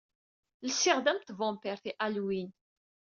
Lsiɣ-d am tvampirt i Halloween.